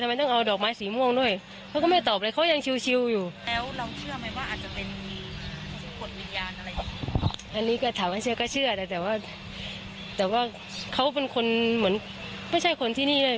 อันนี้ก็ถามให้เชื่อก็เชื่อแต่แต่ว่าเขาเป็นคนเหมือนไม่ใช่คนที่นี่เลย